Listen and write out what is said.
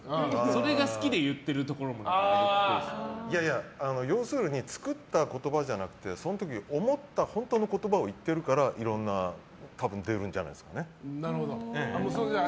それが好きで言っているところも要するに作った言葉じゃなくてその時思った本当の言葉を言ってるからいろんなものが出るんじゃないですかね。